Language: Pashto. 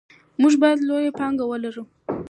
موږ باید لویه پانګه ولرو.